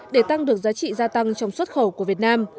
để tăng được giá trị gia tăng trong xuất khẩu của việt nam